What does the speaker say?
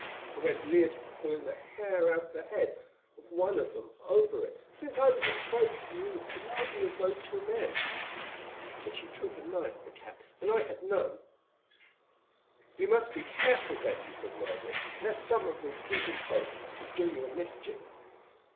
I went near to pulling the hair out of the head of one of them over it, since I was afraid for you alone with those two men. But she drew her knife, the cat, and I had none." "You must be careful, Betty," said Margaret, "lest some of these heathen folk should do you a mischief."